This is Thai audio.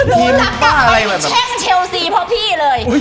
ทีมรักกับแม่งเช่งเชลซีเพราะพี่เลย